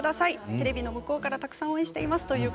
テレビの向こうから応援していますと。